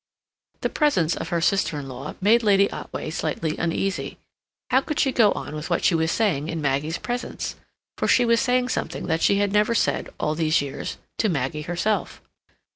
The presence of her sister in law made Lady Otway slightly uneasy. How could she go on with what she was saying in Maggie's presence? for she was saying something that she had never said, all these years, to Maggie herself.